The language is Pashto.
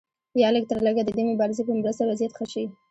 یا لږترلږه د دې مبارزې په مرسته وضعیت ښه شي.